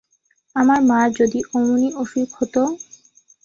আমার মার যদি ওমনি অসুখ হত?